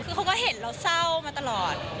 คือเขาก็เห็นเราเศร้ามาตลอด